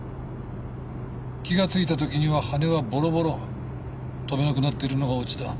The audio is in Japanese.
気がついた時には羽はボロボロ飛べなくなってるのがオチだ。